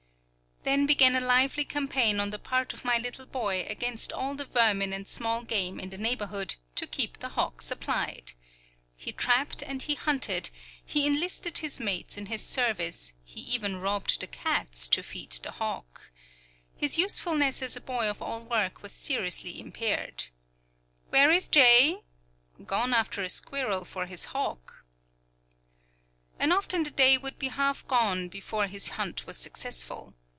Then began a lively campaign on the part of my little boy against all the vermin and small game in the neighborhood, to keep the hawk supplied. He trapped and he hunted, he enlisted his mates in his service, he even robbed the cats to feed the hawk. His usefulness as a boy of all work was seriously impaired. "Where is J ?" "Gone after a squirrel for his hawk." And often the day would be half gone before his hunt was successful.